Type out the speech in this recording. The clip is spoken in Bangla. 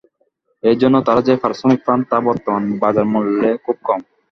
এর জন্য তাঁরা যে পারিশ্রমিক পান, তা বর্তমান বাজারমূল্যে খুব কম।